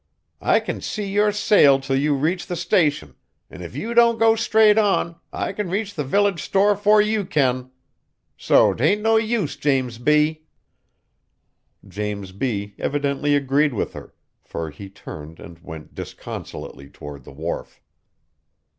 I kin see your sail till you reach the Station, an' if you don't go straight on, I kin reach the village store 'fore you kin. So 't ain't no use, James B." James B. evidently agreed with her, for he turned and went disconsolately toward the wharf.